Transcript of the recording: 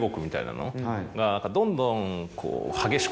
どんどん。